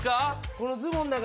このズボンの中か？